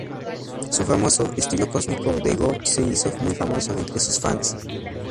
Su famoso "estilo cósmico" de go se hizo muy famoso entre sus fans.